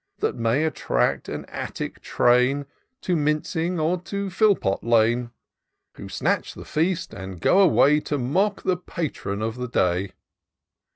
That may attract an Attic train To Mincing or to Philpot Lane ; Who snatch the feast, and go away. To mock the patron of the day.